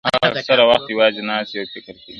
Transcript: • هغه اکثره وخت يوازې ناسته وي او فکر کوي..